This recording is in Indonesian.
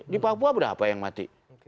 di papua berapa yang mati